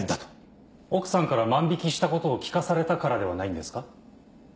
奥さんから万引したことを聞かされたからではないんですか。